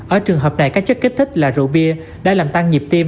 ở trường hợp này các chất kích thích là rượu bia đã làm tăng nhịp tim